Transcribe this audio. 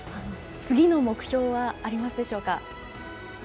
次の目標はありますでしょうか？